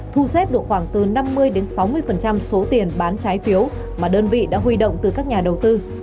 thu xếp được khoảng từ năm mươi sáu mươi số tiền bán trái phiếu mà đơn vị đã huy động từ các nhà đầu tư